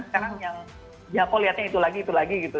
sekarang yang jako lihatnya itu lagi itu lagi gitu